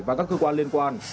và các cơ quan liên quan